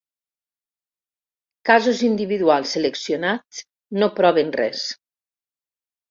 Casos individuals seleccionats no proven res.